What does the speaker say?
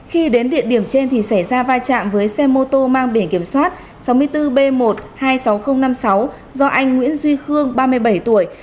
khi đến địa điểm trên thì xảy ra va chạm với xe mô tô mang biển kiểm soát sáu mươi bốn b một hai mươi sáu nghìn năm mươi sáu do anh nguyễn duy khương ba mươi bảy tuổi